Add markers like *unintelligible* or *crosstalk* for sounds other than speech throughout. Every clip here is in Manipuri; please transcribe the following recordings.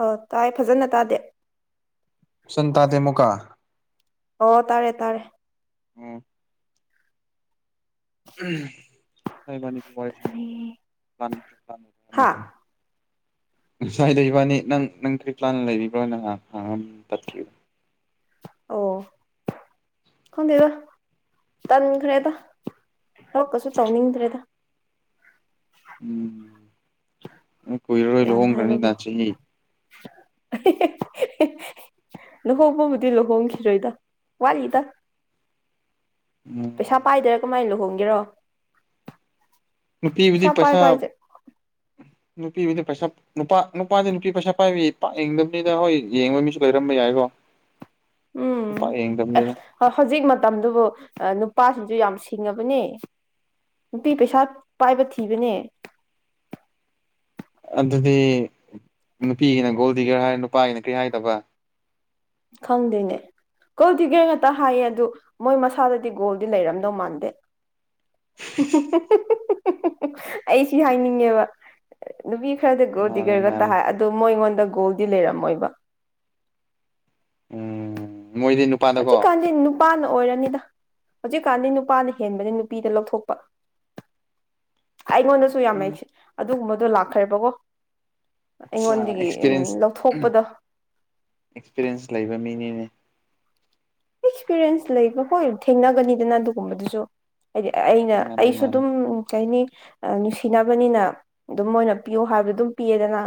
ꯑ‌ꯣ ꯇꯥꯏ ꯐꯖꯅ ꯇꯥꯗꯦ ꯏꯆꯟ ꯇꯥꯗ‌ꯦ ꯑꯃꯨꯛꯀꯥ ꯑꯣ ꯇꯥꯔꯦ ꯇꯥꯔꯦ ꯎꯝ ꯍ‌ꯣꯏ ꯏꯕꯅꯤꯗꯤ *unintelligible* ꯍꯥ ꯃꯇꯝ *inaudible* ꯉꯁꯥꯏꯗꯩ ꯏꯕꯥꯅꯤ ꯅꯪ ꯅꯪ ꯀꯔꯤ ꯄ꯭ꯂꯥꯟ ꯂꯩꯕꯤꯕ꯭ꯔꯣꯅ ꯍꯪꯉꯝ ꯇꯠꯈꯤꯕ ꯑꯣ ꯈꯪꯗꯦꯗ ꯇꯟꯈ꯭ꯔꯦꯗ ꯊꯕꯛꯀꯁꯨ ꯇꯧꯅꯤꯡꯗ꯭ꯔꯦꯗ ꯎꯝ ꯀꯨꯏꯔꯔꯣꯏ ꯂꯥꯟ ꯂꯨꯍꯣꯡꯈ꯭ꯔꯅꯤꯗ ꯍꯥꯏꯕꯕꯨ ꯆꯍꯤ *unintelligible* ꯂꯨꯍꯣꯡꯕꯕꯨꯗꯤ ꯂꯨꯍꯣꯡꯈꯤꯔꯣꯏꯗ ꯋꯥꯠꯂꯤꯗ ꯎꯝ ꯄꯩꯁꯥ ꯄꯥꯏꯗꯔꯥ ꯀꯃꯥꯏ ꯂꯨꯍꯣꯡꯒꯦꯔꯣ ꯅꯨꯄꯤꯕꯨꯗꯤ ꯄꯩꯁꯥ ꯄꯥꯏꯕ ꯍꯥꯏꯁꯦ ꯅꯨꯄꯤꯕꯨꯗꯤ ꯄꯩꯁꯥ ꯅꯨꯄꯥ ꯅꯨꯄꯥꯗꯤ ꯅꯨꯄꯤ ꯄꯩꯁꯥ ꯄꯥꯏꯕꯤ ꯄꯥꯛ ꯌꯦꯡꯗꯕꯅꯤꯅ ꯍꯣꯏ ꯌꯦꯡꯕ ꯃꯤꯁꯨ ꯂꯩꯔꯝꯕ ꯌꯥꯏꯀꯣ ꯄꯥꯛ ꯌꯦꯡꯗꯝꯅꯤꯗꯥ ꯍꯣꯏ ꯍꯧꯖꯤꯛ ꯃꯇꯝꯗꯨꯕꯨ ꯅꯨꯄꯥꯁꯤꯡꯁꯨ ꯌꯥꯝ ꯁꯤꯡꯉꯥꯕꯅꯦ ꯅꯨꯄꯤ ꯄꯩꯁꯥ ꯄꯥꯏꯕ ꯊꯤꯕꯅꯦ ꯑꯗꯨꯗꯤ ꯅꯨꯄꯤꯒꯤꯅ ꯒꯣꯜꯗꯤꯒꯔ ꯍꯥꯏꯔꯥ ꯅꯨꯄꯥꯒꯤꯅ ꯀꯔꯤ ꯍꯥꯏꯗꯕ ꯈꯪꯗꯦꯅꯦ ꯒꫭꯜ ꯗꯤꯒꯔ ꯉꯥꯛꯇ ꯍꯥꯏꯌꯦ ꯑꯗꯨ ꯃꯣꯏ ꯃꯁꯥꯗꯗꯤ ꯒꯣꯜꯗꯤ ꯂꯩꯔꯝꯗꯧ ꯃꯥꯟꯗꯦ ꯑꯩ ꯁꯤ ꯍꯥꯏꯅꯤꯡꯉꯦꯕ ꯅꯨꯄꯤ ꯈꯔꯗꯤ ꯒꯣꯜ ꯃꯥꯅꯦ ꯗꯤꯒꯔꯒꯇ ꯃꯥꯅꯦ ꯍꯥꯏ ꯑꯗꯣ ꯃꯣꯏꯉꯣꯟꯗ ꯒꯣꯜꯗꯤ ꯂꯩꯔꯝꯃꯣꯏꯕ ꯎꯝ ꯃꯣꯏꯗꯤ ꯍꯧꯖꯤꯛ ꯅꯨꯄꯥꯗꯀꯣ ꯀꯥꯟꯗꯤ ꯅꯨꯄꯥꯅ ꯑꯣꯏꯔꯅꯤꯗ ꯍꯧꯖꯤꯛꯀꯥꯟꯗꯤ ꯅꯨꯄꯥꯅ ꯍꯦꯟꯕꯅꯤ ꯅꯨꯄꯤꯗ ꯂꯧꯊꯣꯛꯄ ꯑꯩꯉꯣꯟꯗꯁꯨ ꯌꯥꯝꯅ ꯑꯗꯨꯒꯨꯝꯕꯗꯣ ꯂꯥꯛꯈ꯭ꯔꯦꯕꯀꯣ ꯑꯩꯉꯣꯟꯗꯒꯤ ꯎꯝ ꯑꯦꯛꯁꯄꯤꯔꯤꯌꯦꯟꯁ ꯂꯧꯊꯣꯛꯄꯗ ꯑꯦꯛꯁꯄꯤꯔꯤꯌꯦꯟꯁ ꯂꯩꯕ ꯃꯤꯅꯤꯅꯦ ꯑꯦꯛꯁꯄꯤꯔꯤꯌꯦꯟꯁ ꯂꯩꯕ ꯍꫭꯏ ꯊꯦꯡꯅꯒꯅꯤꯗꯅ ꯑꯗꯨꯒꯨꯝꯕꯗꯨꯁꯨ ꯍꯥꯏꯗꯤ ꯑꯩꯅ ꯃꯥꯅꯦ ꯑꯩꯁꯨ ꯃꯥꯅꯦ ꯑꯗꯨꯝ ꯀꯩꯅꯤ ꯅꯨꯡꯁꯤꯅꯕꯅꯤꯅ ꯑꯗꯨꯝ ꯃꯣꯏꯅ ꯄꯤꯌꯨ ꯍꯥꯏꯕꯗꯣ ꯑꯗꯨꯝ ꯄꯤꯌꯦꯗꯅ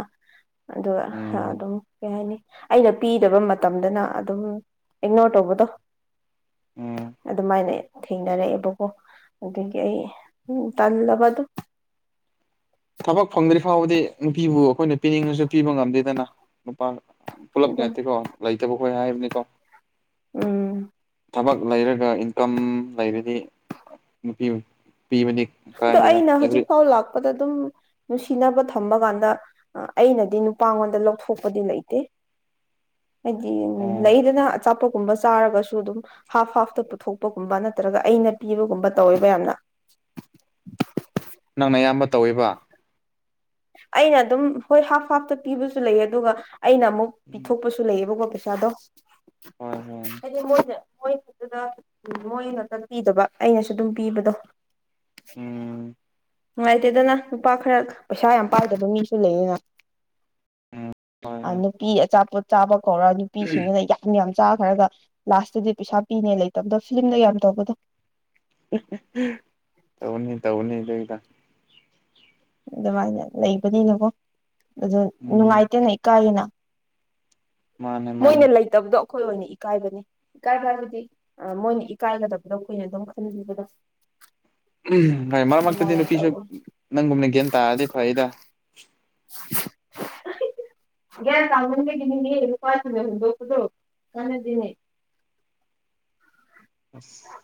ꯑꯗꯨꯒ ꯎꯝ ꯑꯗꯨꯝ ꯀꯩ ꯍꯥꯏꯅꯤ ꯑꯩꯅ ꯄꯤꯗꯕ ꯃꯇꯝꯗꯅ ꯑꯗꯨꯝ ꯏꯛꯅꯣꯔ ꯇꯧꯕꯗꯣ ꯎꯝ ꯑꯗꯨꯃꯥꯏꯅ ꯊꯦꯡꯅꯔꯛꯑꯦꯕꯀꯣ ꯑꯗꯨꯗꯒꯤ ꯑꯩ ꯎꯝ ꯇꯜꯂꯕꯗꯣ ꯊꯕꯛ ꯐꯪꯗ꯭ꯔꯤ ꯐꯥꯎꯕꯗꯤ ꯅꯨꯄꯤꯕꯨ ꯑꯩꯈꯣꯏꯅ ꯄꯤꯅꯤꯡꯉꯁꯨ ꯄꯤꯕ ꯉꯝꯗꯦꯗꯅ ꯅꯨꯄꯥ ꯄꯨꯂꯞ ꯅꯠꯇꯦꯀꯣ ꯂꯩꯇꯕ ꯑꯈꯣꯏ ꯍꯥꯏꯕꯅꯤꯀꯣ ꯎꯝ ꯊꯕꯛ ꯂꯩꯔꯒ ꯏꯟꯀꯝ ꯂꯩꯔꯗꯤ ꯅꯨꯄꯤ ꯄꯤꯕꯗꯤ ꯑꯗꯣ ꯀꯥꯏꯗꯦꯗ ꯑꯩꯅ ꯑꯦꯕ꯭ꯔꯤ ꯍꯧꯖꯤꯛꯐꯥꯎ ꯂꯥꯛꯄꯗ ꯑꯗꯨꯝ ꯅꯨꯡꯁꯤꯅꯕ ꯊꯝꯕ ꯀꯥꯟꯗ ꯑꯩꯅꯗꯤ ꯅꯨꯄꯥꯉꯣꯟꯗ ꯂꯧꯊꯣꯛꯄꯗꯤ ꯂꯩꯇꯦ ꯍꯥꯏꯗꯤ ꯑꯣ ꯂꯩꯗꯅ ꯑꯆꯥꯄꫭꯠ ꯒꯨꯝꯕ ꯆꯥꯔꯒꯁꯨ ꯑꯗꯨꯝ ꯍꯥꯞ ꯍꯥꯞꯇ ꯄꯨꯊꯣꯛꯄꯒꯨꯝꯕ ꯅꯠꯇ꯭ꯔꯒ ꯑꯩꯅ ꯄꯤꯕꯒꯨꯝꯕ ꯇꯧꯋꯦꯕ ꯌꯥꯝꯅ ꯅꯪꯅ ꯑꯌꯥꯝꯕ ꯇꯧꯋꯦꯕ ꯑꯩꯅ ꯑꯗꯨꯝ ꯍꯣꯏ ꯍꯥꯞ ꯍꯥꯞꯇ ꯄꯤꯕꯁꯨ ꯂꯩ ꯑꯗꯨꯒ ꯑꯩꯅ ꯑꯃꯨꯛ ꯄꯤꯊꯣꯛꯄꯁꯨ ꯂꯩꯌꯦꯕꯀꯣ ꯄꯩꯁꯥꯗꯣ ꯍꯣꯏ ꯍꯣꯏ ꯍꯥꯏꯗꯤ ꯃꯣꯏꯅ ꯃꯣꯏꯠꯇꯨꯗ ꯃꯣꯏ ꯉꯛꯇꯄꯤꯗꯕ ꯑꯩꯅꯁꯨ ꯑꯗꯨꯝ ꯄꯤꯕꯗꯣ ꯎꯝ ꯅꯨꯡꯉꯥꯏꯇꯦꯗꯅ ꯅꯨꯄꯥ ꯈꯔ ꯄꯩꯁꯥ ꯌꯥꯝ ꯄꯥꯏꯗꯕ ꯃꯤꯁꯨ ꯂꯩꯌꯦꯅ ꯎꯝ ꯅꯨꯄꯤ ꯑꯆꯥꯄꯣꯠ ꯆꯥꯕ ꯀꯧꯔꯅꯤ ꯅꯨꯄꯤꯁꯤꯡꯗꯨꯅ ꯌꯥꯝ ꯌꯥꯝ ꯆꯥꯈ꯭ꯔꯒ ꯂꯥꯁꯇꯗꯤ ꯄꯩꯁꯥ ꯄꯤꯅꯦ ꯂꯩꯇꯕꯗꯣ ꯐꯤꯂꯝꯗ ꯌꯥꯝ ꯇꯧꯕꯗꯣ ꯇꯧꯒꯅꯤ ꯇꯧꯒꯅꯤ ꯂꯩꯗ ꯑꯗꯨꯃꯥꯏꯅ ꯂꯩꯕꯅꯤꯅꯀꯣ ꯑꯗꯨ ꯎꯝ ꯅꯨꯡꯉꯥꯏꯇꯦꯅ ꯏꯀꯥꯏꯌꯦꯅ ꯃꯥꯅꯦ ꯃꯥꯅꯦ ꯃꯣꯏꯅ ꯂꯩꯇꯕꯗꯣ ꯑꯩꯈꯣꯏ ꯑꯣꯏꯅ ꯏꯀꯥꯏꯕꯅꯤ ꯏꯀꯥꯏꯕ ꯍꯥꯏꯕꯗꯤ ꯃꯣꯏꯅ ꯏꯀꯥꯏꯒꯗꯕꯗꯣ ꯈꯣꯏꯅ ꯑꯗꯨꯝ ꯈꯟꯕꯤꯕꯗꯣ ꯍꯣꯏ ꯃꯔꯛ ꯃꯔꯛꯇꯗꯤ ꯑꯗꯨꯃꯥꯏꯅ ꯅꯨꯄꯤꯁꯨ ꯇꯧꯋꯦ ꯅꯪꯒꯨꯝꯅ ꯒ꯭ꯌꯥꯟ ꯇꯥꯔꯗꯤ ꯐꯩꯌꯦꯗ *inaudible* ꯌꯥ ꯀꯃꯅꯤꯡꯉꯥꯏꯒꯤ *unintelligible* ꯅꯨꯄꯥꯁꯤꯡꯅ ꯍꯨꯟꯗꯣꯛ ꯄꯗꯣ ꯀꯥꯟꯅꯗꯦꯅꯦ ꯑꯁ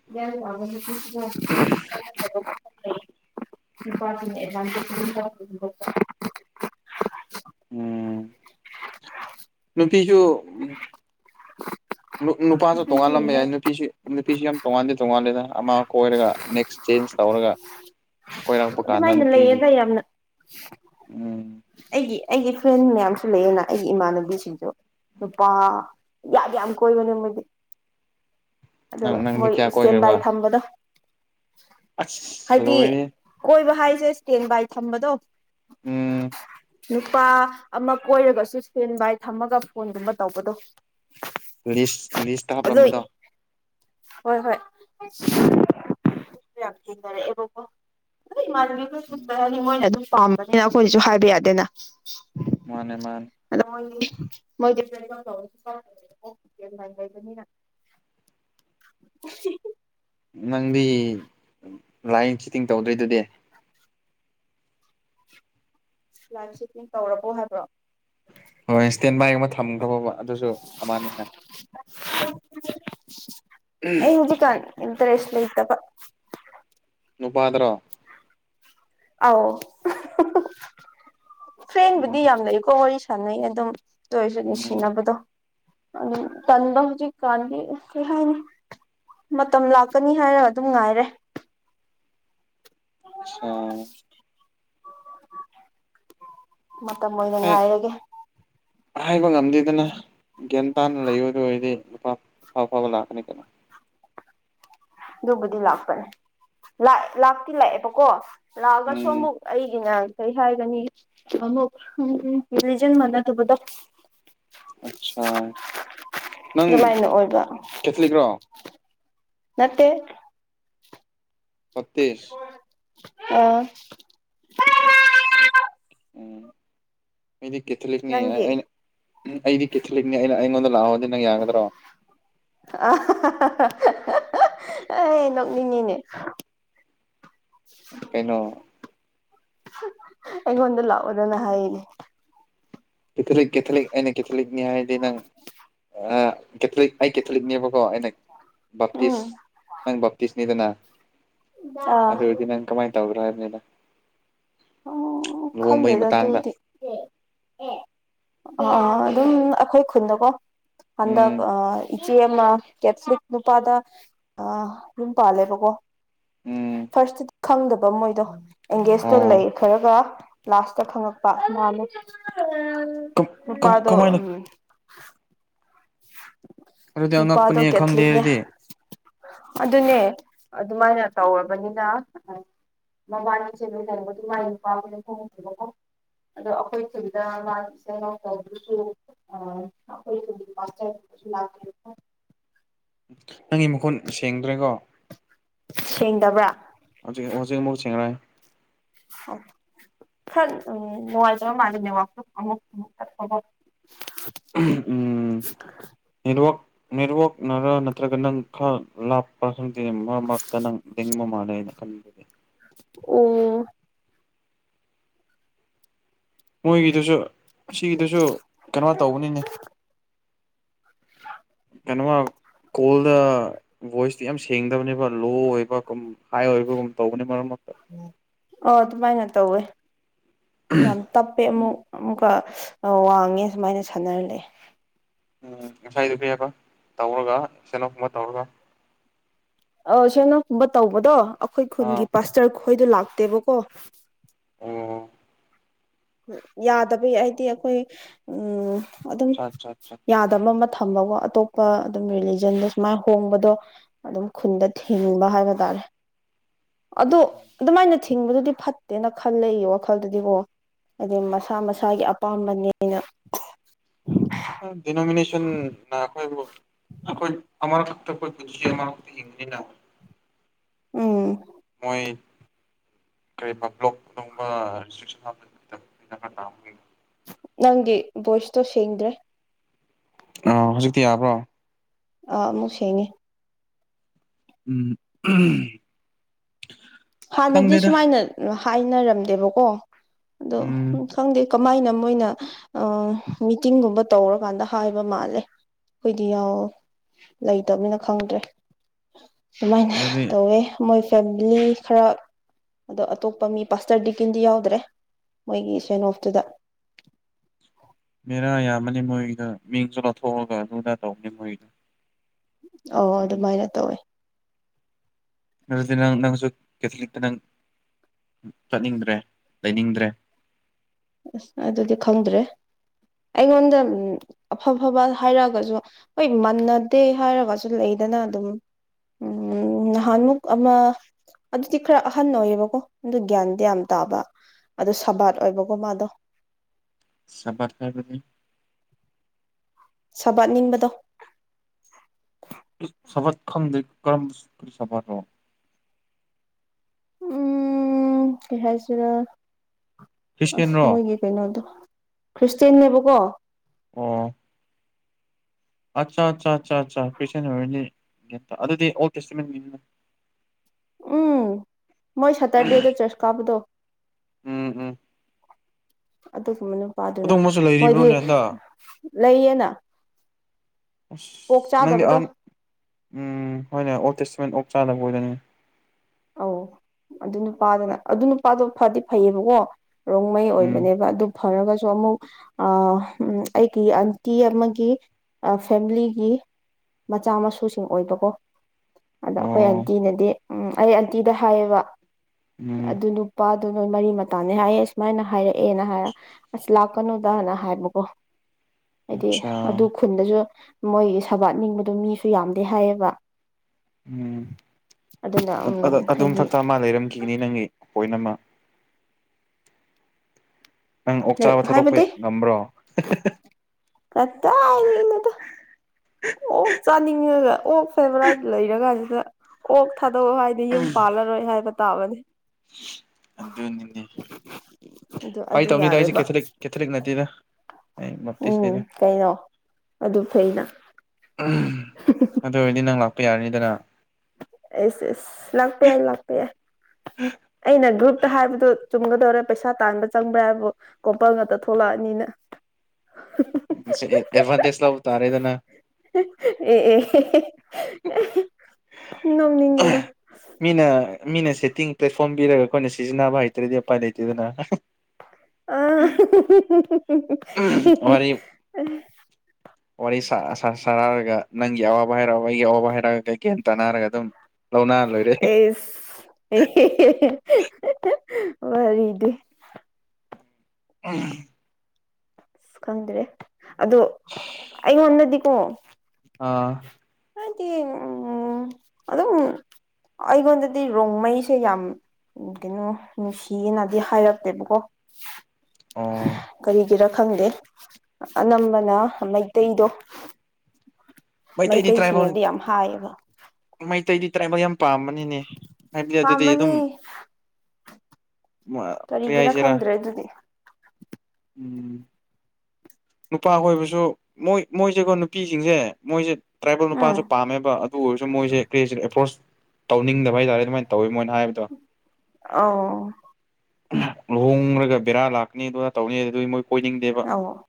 *unintelligible* ꯅꯨꯄꯥꯗꯨꯅ ꯑꯦꯛꯖꯥꯝ *unintelligible* ꯎꯝ ꯅꯨꯄꯤꯁꯨ ꯅꯨꯄꯥꯁꯨ ꯅꯨꯄꯤꯁꯨ ꯇꯣꯡꯉꯥꯜꯂꯝꯕ ꯂꯩꯌꯦ ꯌꯥꯏ ꯅꯨꯄꯤꯁꯤ ꯅꯨꯄꯤꯁꯨ ꯌꯥꯝ ꯇꯣꯉꯥꯟꯗꯦ ꯇꯣꯉꯥꯟꯜꯂꯦꯗ ꯑꯃ ꯀꯣꯏꯔꯒ ꯅꯦꯛꯁ ꯆꯦꯟꯁꯇꯧꯔꯒ ꯀꯣꯏꯔꯛꯄ ꯀꯥꯟꯗ ꯑꯗꯨꯃꯥꯏꯅ ꯅꯨꯄꯤꯒꯤ ꯂꯩꯌꯦꯗ ꯌꯥꯝꯅ ꯎꯝ ꯑꯩꯒꯤ ꯑꯩꯒꯤ ꯐ꯭ꯔꯦꯟ ꯃꯌꯥꯝꯁꯨ ꯂꯩꯌꯦꯅ ꯑꯩꯒꯤ ꯏꯃꯥꯟꯅꯕꯤꯁꯤꯡꯁꯨ ꯅꯨꯄꯥ ꯌꯥꯝ ꯌꯥꯝ ꯀꯣꯏꯕꯅꯦ ꯃꯣꯏꯗꯤ ꯅꯪ ꯑꯗꯨꯒ ꯅꯪꯗꯤ ꯃꯣꯏ ꯀꯌꯥ ꯏꯁꯇꯦꯟ ꯕꯥꯏ ꯊꯝꯕꯗꯣ ꯑꯁ‌ ꯍꯥꯏꯗꯤ ꯂꯣꯏꯔꯦꯍꯦ ꯀꯣꯏꯕ ꯍꯥꯏꯁꯦ ꯏꯁꯇꯦꯟ ꯕꯥꯏ ꯊꯝꯕꯗꯣ ꯎꯝ ꯅꯨꯄꯥ ꯑꯃ ꯀꯣꯏꯔꯒꯁꯨ ꯁꯇꯦꯟ ꯕꯥꯏ ꯊꯝꯃꯒ ꯐꯣꯟꯒꯨꯝꯕ ꯇꯧꯕꯗꯣ ꯂꯤꯁ ꯂꯤꯁꯇ ꯑꯗꯨ ꯍꯥꯞꯂꯝꯕꯗꯣ ꯍꯣꯏ ꯍꯣꯏ ꯌꯥꯝ ꯊꯦꯡꯅꯔꯛꯑꯦꯕꯀꯣ ꯑꯇꯩ ꯏꯃꯥꯟꯅꯕꯤ ꯈꯣꯏꯁꯨ ꯎꯝ ꯃꯣꯏꯅ ꯑꯗꯨꯝ ꯄꯥꯝꯕꯅꯤꯅ ꯑꯩꯈꯣꯏꯅꯁꯨ ꯍꯥꯏꯕ ꯌꯥꯗꯦꯅ ꯃꯥꯅꯦ ꯃꯥꯅꯦ ꯑꯗꯨ ꯃꯣꯏꯗꯤ ꯃꯣꯏꯒꯤ ꯄ꯭ꯔꯥꯇꯤꯀꯦꯜ ꯇꯧꯕꯅꯤꯅ *unintelligible* ꯏꯁꯇꯦꯟꯕꯥꯏ ꯂꯩꯕꯅꯤꯅ *unintelligible* ꯅꯪꯗꯤ ꯂꯥꯏꯑꯤꯡ ꯆꯤꯇꯤꯡ ꯇꯧꯗꯣꯏꯗꯨꯗꯤ ꯅꯪꯗꯤ ꯂꯥꯏꯐꯆꯤꯇꯤꯡ ꯇꯧꯔꯕꯣ ꯍꯥꯏꯕ꯭ꯔꯣ ꯍꯣꯏ ꯏꯁ꯭ꯇꯦꯟ ꯕꯥꯏꯒꯨꯝꯕ ꯊꯝꯈ꯭ꯔꯕ ꯑꯗꯨꯁꯨ ꯅꯕꯅꯤꯇ ꯑꯩ ꯍꯧꯖꯤꯛ ꯀꯥꯟ ꯏꯟꯇꯔꯦꯁ ꯂꯩꯇꯕ ꯅꯨꯄꯥꯗꯨꯔꯣ ꯑꯥꯎ ꯎꯝ ꯐ꯭ꯔꯦꯟꯕꯨꯗꯤ ꯌꯥꯝ ꯂꯩꯀꯣ ꯋꯥꯔꯤ ꯁꯥꯟꯅꯩ ꯑꯗꯨꯝ ꯑꯗꯨꯑꯣꯏꯔꯁꯨ ꯎꯝ ꯅꯨꯡꯁꯤꯅꯕꯗꯣ ꯑꯗꯨ ꯇꯟꯕ ꯍꯧꯖꯤꯛ ꯀꯥꯟꯗꯦ ꯑꯦꯍꯥꯏꯔꯦ ꯃꯇꯝ ꯂꯥꯛꯀꯅꯤ ꯍꯥꯏꯔꯒ ꯑꯗꯨꯝ ꯉꯥꯏꯔꯦ *unintelligible* *inaudible* ꯃꯇꯝ ꯑꯣꯏꯅ ꯉꯥꯏꯔꯒꯦ ꯍꯥꯏꯕ ꯉꯝꯗꯦꯗꯅ ꯒ꯭ꯌꯥꯟ ꯇꯥꯅ ꯂꯩꯌꯨꯗ ꯑꯣꯏꯔꯗꯤ ꯅꯨꯄꯥ ꯑꯐ ꯑꯐꯕ ꯂꯥꯛꯀꯅꯤ ꯀꯩꯅꯣ ꯑꯗꯨꯕꯨꯗꯤ ꯂꯥꯛꯄꯅꯦ ꯂꯥꯛ ꯂꯥꯛꯇꯤ ꯂꯥꯛꯑꯦꯕꯀꯣ ꯂꯥꯛꯑꯒꯁꯨ ꯎꯝ ꯑꯃꯨꯛ ꯑꯩꯒꯤꯅ ꯀꯩ ꯍꯥꯏꯒꯅꯤ ꯑꯃꯨꯛ ꯔꯤꯂꯤꯖꯟ ꯃꯥꯟꯅꯗꯕꯗꯣ ꯑꯠꯆꯥꯥ ꯅꯪ ꯑꯗꯨꯃꯥꯏꯅ ꯑꯣꯏꯕ ꯀꯦꯊꯂꯤꯛꯔꯣ ꯅꯠꯇꯦ ꯕꯞꯇꯤꯁ ꯑꯪ ꯎꯝ ꯑꯩꯗꯤ ꯀꯦꯊꯂꯤꯛꯅꯤ ꯅꯪꯗꯤ ꯑꯩꯅ ꯑꯩꯗꯤ ꯀꯦꯊꯂꯤꯛꯅꯤ ꯑꯩꯅ ꯑꯩꯉꯣꯟꯗ ꯂꯥꯛꯑꯣꯗꯤ ꯅꯪ ꯌꯥꯒꯗ꯭ꯔꯣ ꯑꯦ ꯅꯣꯛꯅꯤꯡꯉꯦꯅꯦ ꯀꯩꯅꯣ ꯑꯩꯉꯣꯟꯗ ꯂꯥꯑꯣꯗꯅ ꯍꯥꯏꯌꯦꯅꯦ ꯀꯦꯊꯣꯂꯤꯛ ꯀꯦꯊꯣꯂꯤꯛ ꯑꯩꯅ ꯀꯦꯊꯣꯂꯤꯛꯅꯤꯍꯥꯏꯔꯗꯤ ꯅꯪ ꯀꯦꯊꯂꯤꯛ ꯑꯩ ꯀꯦꯊꯂꯤꯛꯅꯦꯕꯀꯣ ꯑꯩꯅ ꯕꯥꯞꯇꯤꯁ ꯎꯝ ꯅꯪ ꯕꯥꯞꯇꯤꯁꯅꯤꯗꯅ ꯑꯥ ꯑꯗꯨ ꯑꯣꯏꯗꯤ ꯅꯪ ꯀꯃꯥꯏꯅ ꯇꯧꯒꯗꯔ ꯍꯥꯏꯕꯅꯤꯗ ꯑꯣ ꯂꯨꯍꯣꯡꯕꯒꯤ ꯈꯪꯗꯦꯗ ꯃꯇꯥꯡꯗ ꯑꯗꯨꯗꯤ ꯑ ꯑꯗꯨꯝ ꯑꯩꯈꯣꯏ ꯈꯨꯟꯗꯀꯣ ꯍꯟꯗꯛ ꯎꯝ ꯑ ꯏꯆꯦ ꯑꯃ ꯀꯦꯊꯂꯤꯛ ꯅꯨꯄꯥꯗ ꯑ ꯌꯨꯝ ꯄꯥꯜꯂꯦꯕꯀꯣ ꯎꯝ ꯐꯥꯔꯁꯇ ꯈꯪꯗꯕ ꯃꯣꯏꯗꯣ ꯑꯦꯡꯒꯦꯖꯇꯣ ꯂꯩ ꯑꯣ ꯈꯔꯒ ꯂꯥꯁꯇ ꯈꯪꯉꯛꯄ ꯃꯥꯂꯦ ꯀꯃꯥꯏꯅ ꯑꯗꯨꯗꯤ ꯅꯨꯄꯥ ꯗꯣ ꯑꯉꯛꯄꯅꯦ ꯈꯪꯗꯦ ꯀꯦꯊꯥꯂꯤꯛ ꯅꯦ ꯑꯗꯨꯗꯤ ꯑꯗꯨꯅꯦ ꯑꯗꯨꯃꯥꯏꯅ ꯇꯧꯔꯕꯅꯤꯅ ꯃꯕꯥꯅꯤꯁꯦ ꯂꯨꯍꯣꯡꯕꯗ *unintelligible* ꯑꯗꯣ ꯑꯩꯈꯣꯏ ꯈꯨꯟꯗ *unintelligible* ꯄꯥꯁꯇꯔ *unintelligible* ꯅꯪꯒꯤ ꯃꯈꯣꯟ ꯁꯦꯡꯗ꯭ꯔꯦꯀꯣ ꯁꯦꯡꯗꯕ꯭ꯔꯥ ꯍꯧꯖꯤꯛ ꯍꯧꯖꯤꯛ ꯑꯃꯨꯛ ꯁꯦꯡꯉꯦ ꯍ *unintelligible* ꯈꯔ ꯅꯨꯡꯉꯥꯏꯇꯕ ꯃꯥꯜꯂꯦ ꯅꯦꯠꯋꯥꯔꯛꯇꯣ ꯑꯃꯨꯛ *unintelligible* ꯆꯎꯝ ꯅꯦꯠꯋꯥꯛ ꯅꯦꯠꯋꯥꯛꯅꯔ ꯅꯠꯇ꯭ꯔꯒ ꯅꯪ ꯈꯔ ꯂꯥꯞ ꯄꯈꯪꯗꯤ ꯃꯔ ꯃꯔꯛꯇ ꯅꯪ ꯂꯦꯡꯕ ꯃꯥꯜꯂꯦ ꯑꯩꯅ ꯈꯟꯕꯗ ꯑꯣ ꯃꯣꯏꯒꯤꯗꯨꯁꯨ ꯑꯁꯤꯒꯤꯒꯤꯗꯨꯁꯨ ꯀꯩꯅꯣ ꯇꯧꯕꯅꯤꯅꯦ *unintelligible* ꯀꯩꯅꯣꯃ ꯀꯣꯜꯗ ꯚꯣꯏꯁꯇꯤ ꯌꯥꯝ ꯁꯦꯡꯗꯕꯅꯦꯕ ꯂꯣ ꯑꯣꯏꯕ ꯀꯨꯝ ꯍꯥꯏ ꯑꯣꯏꯕꯒꯨꯝ ꯇꯧꯕꯅꯤ ꯃꯔꯛ ꯃꯔꯛꯇ ꯑꯣ ꯑꯗꯨꯃꯥꯏꯅ ꯇꯧꯋꯦ ꯌꯥꯝ ꯇꯞꯄꯦ ꯎꯝ ꯑꯃꯨꯛ ꯑꯃꯨ ꯋꯥꯡꯉꯦ ꯁꯨꯃꯥꯏꯅ ꯁꯥꯟꯅꯔꯂꯩ ꯎꯝ ꯉꯁꯥꯏꯗꯨ *unintelligible* ꯇꯧꯔꯒ ꯁꯅꯣꯒꯨꯝꯕ ꯇꯧꯔꯒ ꯑ ꯁꯣꯅꯒꯨꯝꯕ ꯇꯧꯕꯗꯣ ꯑꯩꯈꯣꯏ ꯈꯨꯟꯒꯤ ꯑꯥ ꯄꯥꯁꯇꯔ ꯈꯣꯏꯗꯣ ꯂꯥꯛꯇꯦꯕꯀꯣ ꯑꯣ ꯌꯥꯗꯕꯩ ꯍꯥꯏꯗꯤ ꯑꯩꯈꯣꯏ ꯎꯝ ꯑꯗꯨꯝ ꯑꯆꯥ ꯑꯆꯥ ꯑꯆꯥ ꯌꯥꯗꯕ ꯊꯝꯕꯀꯣ ꯑꯇꯣꯞꯄ ꯑꯗꯨꯝ ꯔꯤꯂꯤꯖꯟꯗꯣ ꯁꯨꯃꯥꯏꯅ ꯍꯣꯡꯕꯗꯣ ꯑꯗꯨꯝ ꯈꯨꯟꯗ ꯊꯤꯡꯕ ꯍꯥꯏꯕ ꯇꯥꯔꯦ *inaudible* ꯑꯗꯣ ꯑꯗꯨꯃꯥꯏꯅ ꯊꯤꯡꯕꯗꯨꯗꯤ ꯐꯠꯇꯦꯅ ꯈꯜꯂꯦ ꯑꯩ ꯋꯥꯈꯜꯗꯗꯤ ꯀꯣ ꯍꯥꯏꯗꯤ ꯃꯁꯥ ꯃꯁꯥꯒꯤ ꯑꯄꯥꯝꯕꯅꯦꯅ ꯗꯤꯅꯣꯃꯤꯅꯦꯁꯟ ꯑꯩꯈꯣꯏꯕꯨ ꯑꯩꯈꯣꯏ ꯑꯃꯊꯛꯇ ꯑꯩꯈꯣꯏ ꯄꯨꯟꯁꯤ ꯑꯃꯈꯛ ꯄꯤꯒꯤꯝꯃꯤꯅ ꯎꯝ ꯃꯣꯏ ꯀꯔꯤꯕ ꯕꯨꯂꯣꯛ ꯑꯗꯨꯒꯨꯝꯕ *unintelligible* ꯅꯪꯒꯤ ꯕꯣꯏꯁ ꯇꯣ ꯁꯦꯡꯗ꯭ꯔꯦ ꯑꯥ ꯍꯧꯖꯤꯛꯇꯤ ꯌꯥꯕ꯭ꯔꯣ ꯑꯥ ꯑꯃꯨꯛ ꯁꯦꯡꯉꯤ ꯎꯝ ꯍꯥꯟꯅꯗꯤ ꯈꯪꯗꯦꯗ ꯁꯨꯃꯥꯏꯅ ꯍꯥꯏꯅꯔꯝꯗꯦꯕꯀꯣ ꯑꯗꯣ ꯎꯝ ꯈꯪꯗꯦ ꯀꯃꯥꯏꯅ ꯃꯣꯏꯅ ꯑꯥ ꯃꯤꯇꯤꯡꯒꯨꯝꯕ ꯇꯧꯔꯀꯥꯟꯗ ꯍꯥꯏꯕ ꯃꯥꯜꯂꯦ ꯑꯩꯈꯣꯏꯗꯤ ꯌꯥꯎ ꯂꯩꯇꯅꯤꯅ ꯈꯪꯗ꯭ꯔꯦ ꯗꯨꯃꯥꯏꯅ ꯑꯗꯨꯗꯤ ꯇꯧꯋꯦ ꯃꯣꯏ ꯐꯦꯝꯃꯤꯂꯤ ꯈꯔ ꯑꯗꯣ ꯑꯇꯣꯞꯄ ꯃꯤ ꯄꯥꯁꯇꯔ ꯗꯤꯀꯤꯟꯗꯤ ꯌꯥꯎꯗ꯭ꯔꯦ ꯃꯣꯏꯒꯤ ꯁꯦꯟ ꯑꯣꯐꯇꯨꯗ ꯃꯦꯔꯥ ꯌꯥꯝꯃꯅꯤ ꯃꯣꯏꯒꯤꯗ ꯃꯤꯡꯁꯨ ꯂꯧꯊꯣꯛꯑꯒ ꯑꯗꯨ ꯑꯗꯥ ꯇꯧꯕꯅꯦ ꯃꯣꯏꯒꯤꯗꯨ ꯑꯧ ꯑꯗꯨꯃꯥꯏꯅ ꯇꯧꯋꯦ ꯑꯗꯨꯗꯤ ꯅꯪ ꯅꯪꯁꯨ ꯀꯦꯠꯊꯣꯂꯤꯛꯇ ꯅꯪ ꯆꯠꯅꯤꯡꯗ꯭ꯔꯦ ꯂꯩꯅꯤꯡꯗ꯭ꯔꯦ ꯑꯁ ꯑꯗꯨꯗꯤ ꯈꯪꯗ꯭ꯔꯦ ꯑꯩꯉꯣꯟꯗ ꯑꯐ ꯐꯕ ꯍꯥꯏꯔꯛꯑꯒꯁꯨ ꯍꯣꯏ ꯃꯟꯅꯗꯦ ꯍꯥꯏꯔꯒꯁꯨ ꯂꯩꯗꯅ ꯑꯗꯨꯝ ꯎꯝ ꯅꯍꯥꯟꯃꯨꯛ ꯑꯃ ꯑꯗꯨꯗꯤ ꯈꯔ ꯑꯍꯟ ꯑꯣꯏꯌꯦꯕꯀꯣ ꯑꯗꯨ ꯒ꯭ꯌꯥꯟꯗꯤ ꯌꯥꯝ ꯇꯥꯕ ꯑꯗꯨ ꯁꯕꯥꯠ ꯑꯣꯏꯕ ꯀꯣ ꯃꯥꯗꯣ ꯁ꯭ꯕꯥꯠ ꯍꯥꯏꯕꯗꯤ ꯁꯥꯕꯥꯠ ꯅꯤꯡꯕꯗꯣ ꯁ꯭ꯕꯥꯠ ꯈꯪꯗꯦ ꯀꯔꯝ ꯀꯔꯤ ꯁ꯭ꯕꯥꯠꯔꯣ ꯎꯝ ꯀꯩ ꯍꯥꯏꯁꯤꯔꯥ ꯑꯁ ꯈ꯭ꯔꯤꯁꯇꯦꯟꯔꯣ ꯃꯣꯏꯒꯤ ꯀꯩꯅꯣꯗꯣ ꯈ꯭ꯔꯤꯁꯇꯦꯟꯅꯦꯕ ꯀꯣ ꯑꯣ ꯑꯠꯆꯥ ꯆꯥ ꯆꯥ ꯆꯥ ꯈ꯭ꯔꯤꯁꯇꯦꯟ ꯑꯣꯏꯔꯅꯤ ꯑꯗꯨꯗꯤ ꯑꯣꯜ ꯇꯦꯁꯇꯃꯦꯟꯒꯤꯅꯤꯅꯦ ꯎꯝ ꯃꯣꯏ ꯁꯇꯔꯗꯦꯗ ꯆ꯭ꯔꯆ ꯀꯥꯕꯗꯣ ꯎꯝ ꯎꯝ ꯑꯗꯨꯒꯨꯝꯕ ꯅꯨꯄꯥꯗꯨꯅ ꯑꯗꯨꯒꯨꯝꯕꯁꯨ ꯃꯣꯏꯗꯤ ꯂꯩꯔꯤꯕ꯭ꯔꯣꯅꯦ ꯍꯟꯗꯛ ꯂꯩꯌꯦꯅ ꯑꯁ ꯄꯣꯛ ꯅꯪꯗꯤ ꯆꯥꯗꯕꯗꯣ ꯑꯍꯥꯟ ꯎꯝ ꯍꯣꯏꯅꯦ ꯑꯣꯜ ꯇꯦꯁꯇꯃꯦꯟ ꯑꯣꯛ ꯆꯥꯗꯕ ꯑꯣꯏꯗꯅꯤ ꯑꯧ ꯑꯗꯨ ꯅꯨꯄꯥꯗꯨꯅ ꯑꯗꯨ ꯅꯨꯄꯥꯗꯣ ꯐꯗꯤ ꯐꯩꯌꯦꯕꯀꯣ ꯔꯣꯡꯃꯩ ꯎꯝ ꯑꯣꯏꯕꯅꯦꯕ ꯑꯗꯨ ꯐꯔꯒꯁꯨ ꯑꯃꯨꯛ ꯑꯥ ꯑꯩꯒꯤ ꯑꯟꯇꯤ ꯑꯃꯒꯤ ꯐꯦꯝꯃꯤꯂꯤꯒꯤ ꯃꯆꯥ ꯃꯁꯨꯁꯤꯡ ꯑꯣꯏꯕꯀꯣ ꯑꯗꯥ ꯑꯩꯈꯣꯏ ꯑꯣ ꯑꯟꯇꯤꯅꯗꯤ ꯎꯝ ꯑꯩ ꯑꯟꯇꯤꯗ ꯍꯥꯏꯌꯦꯕ ꯎꯝ ꯑꯗꯨꯅꯨꯞ ꯅꯨꯄꯥꯗꯨ ꯅꯣꯏ ꯃꯔꯤ ꯃꯇꯥꯅꯦ ꯍꯥꯏꯌꯦ ꯁꯨꯃꯥꯏꯅ ꯍꯥꯏꯔꯛꯑꯦꯅ ꯍꯥꯏꯔ ꯑꯁ ꯂꯥꯛꯀꯅꯨꯗꯅ ꯍꯥꯏꯕꯀꯣ ꯍꯥꯏꯗꯤ ꯑꯠꯆꯥ ꯑꯗꯨ ꯈꯨꯟꯗꯁꯨ ꯃꯣꯏꯒꯤ ꯁꯕꯥꯠꯅꯤꯡꯕꯗꯣ ꯃꯤꯁꯨ ꯌꯥꯝꯗꯦ ꯍꯥꯏꯌꯦꯕ ꯎꯝ ꯑꯗꯨꯅ ꯎꯝ ꯍꯥꯏꯗꯤ ꯑꯗꯨꯝꯊꯛꯇ ꯃꯥ ꯂꯩꯔꯝꯈꯤꯒꯅꯤ ꯅꯪꯒꯤ ꯄꯣꯏꯟ ꯑꯃ ꯅꯪ ꯑꯣꯛ ꯆꯥꯕ ꯂꯥꯏꯔꯤꯛ ꯊꯥꯗꯣꯛꯄ ꯍꯥꯏꯕꯗꯤ ꯉꯝꯕ꯭ꯔꯣ ꯀꯠꯗꯥꯏꯗꯒꯤꯅꯣꯗ ꯑꯣꯛ ꯆꯥꯅꯤꯡꯉꯒ ꯑꯣꯛ ꯐꯦꯕꯔꯥꯏꯠ ꯂꯩꯔ ꯀꯥꯟꯁꯤꯗ ꯑꯣꯛ ꯊꯥꯗꯣꯛꯑꯣ ꯍꯥꯏ ꯗꯤ ꯌꯨꯝ ꯄꯥꯜꯂꯔꯣꯏ ꯍꯥꯏꯕ ꯇꯥꯕꯅꯦ ꯑꯗꯨꯅꯤꯅꯦ ꯑꯗꯨ ꯐꯒꯤ ꯑꯗꯨ ꯇꯧꯕꯅꯤꯗ ꯑꯩꯁꯦ ꯌꯥꯔꯣꯏꯕ ꯀꯦꯊꯂꯤꯛ ꯀꯦꯊꯂꯤꯛ ꯅꯠꯇꯦꯗ ꯑꯩ ꯎꯝ ꯕꯞꯇꯤꯁꯅꯤꯗ ꯀꯩꯅꯣ ꯑꯗꯨ ꯐꯩꯅ ꯑꯗꯨ ꯑꯣꯏꯔꯗꯤ ꯅꯪ ꯂꯥꯛꯄ ꯌꯥꯔꯅꯤꯗꯅ ꯑꯦꯁ ꯑꯦꯁ ꯂꯥꯛꯄ ꯌꯥꯏ ꯂꯥꯛꯄ ꯌꯥꯏ ꯑꯩꯅ ꯒ꯭ꯔꯨꯞꯇ ꯍꯥꯏꯕꯗꯨ ꯆꯨꯝꯒꯗꯧꯔꯦ ꯄꯩꯁꯥ ꯇꯥꯟꯕ ꯆꯪꯕ꯭ꯔꯥ ꯍꯥꯏꯕꯕꯨ ꯀꯣꯝꯄꯜ ꯉꯥꯛꯇ ꯊꯣꯛꯂꯛꯑꯅꯤꯅ ꯉꯁꯤ ꯑꯦ ꯑꯦꯗꯚꯥꯟꯇꯦꯖ ꯂꯧꯕ ꯇꯥꯔꯦꯗꯅ *unintelligible* ꯃꯤꯅ ꯃꯤꯅ ꯁꯦꯠꯇꯤꯡ ꯄ꯭ꯂꯦꯠꯐꯣꯝ ꯄꯤꯔꯒ ꯑꯩꯈꯣꯏꯅ ꯁꯤꯖꯤꯟꯅꯕ ꯍꯩꯇ꯭ꯔꯗꯤ ꯎꯄꯥꯏ ꯂꯩꯇꯦꯗꯅ *unintelligible* ꯃꯕꯅꯤ ꯋꯥꯔꯤ ꯁꯥ ꯁꯥ ꯁꯥꯅꯔꯒꯒ ꯅꯪꯒꯤ ꯑꯋꯥꯕ ꯍꯥꯏꯔꯛꯑꯣ ꯑꯩꯒꯤ ꯑꯋꯥꯕ ꯍꯥꯏꯔꯛꯑꯒ ꯀꯩ ꯒꯌꯥꯟ ꯇꯥꯟꯅꯔꯒ ꯑꯗꯨꯝ ꯂꯧꯅ ꯂꯣꯏꯔꯦ ꯑꯦꯁ ꯋꯥꯍꯩꯗꯤ *unintelligible* ꯑꯁ ꯈꯪꯗ꯭ꯔꯦ ꯑꯗꯣ ꯑꯩꯉꯣꯟꯗꯗꯤꯀꯣ ꯑꯥ ꯑꯗꯤ ꯎꯝ ꯑꯗꯨꯝ ꯑꯩꯉꯣꯟꯗꯗꯤ ꯔꯣꯡꯃꯩꯁꯦ ꯌꯥꯝ ꯎ ꯀꯩꯅꯣ ꯅꯨꯡꯁꯤꯑꯅꯗꯤ ꯍꯥꯏꯔꯛꯇꯦꯕꯀꯣ ꯑꯣ ꯀꯔꯤ ꯈꯪꯗꯦ ꯑꯅꯝꯕꯅ ꯃꯩꯇꯩꯗꯣ ꯃꯩꯇꯩꯗꯤ ꯇ꯭ꯔꯥꯏꯕꯦꯜ ꯃꯩꯇꯩꯁꯤꯡꯅꯗꯤ ꯌꯥꯝ ꯍꯥꯏꯌꯦꯕ ꯃꯩꯇꯩꯗꯤ ꯇ꯭ꯔꯥꯏꯕꯦꯜ ꯌꯥꯝ ꯄꯥꯝꯕꯅꯤꯅꯦ ꯍꯥꯏꯕꯗꯤ ꯑꯗꯨꯗꯤ ꯄꯥꯝꯕꯅꯦ ꯑꯗꯨꯝ ꯀꯔꯤ ꯀꯔꯤꯒꯤꯔ ꯍꯥꯏꯁꯤꯔꯥ ꯈꯪꯗ꯭ꯔꯦ ꯑꯗꯨꯗꯤ ꯎꯝ ꯅꯨꯄꯥ ꯀꯣꯏꯕꯁꯨ ꯃꯣꯏ ꯃꯣꯏꯁꯦꯀꯣ ꯅꯨꯄꯤꯁꯤꯡꯁꯦ ꯃꯣꯏꯁꯦ ꯇ꯭ꯔꯥꯏꯕꯦꯜ ꯎꯝ ꯅꯨꯄꯥꯁꯨ ꯄꯥꯝꯃꯦꯕ ꯑꯗꯨ ꯑꯣꯏꯔꯁꯨ ꯃꯣꯏꯁꯦ ꯀ꯭ꯔꯔꯤꯁ ꯑꯦꯄ꯭ꯔꯣꯁ ꯇꯧꯅꯤꯡꯗꯕ ꯍꯥꯏꯇꯥꯔꯦ ꯑꯗꯨꯃꯥꯏꯅ ꯇꯧꯋꯤ ꯃꯣꯏꯅ ꯍꯥꯏꯕꯗꯣ ꯑꯧ ꯂꯨꯍꯣꯡꯔꯒ ꯕꯦꯔꯥ ꯂꯥꯛꯀꯅꯤ ꯑꯗꯨꯅ ꯇꯧꯅꯤ ꯑꯗꯨ ꯑꯗꯨꯒꯤ ꯃꯣꯏ ꯀꯣꯏꯅꯤꯡꯗꯦꯕ ꯑꯣ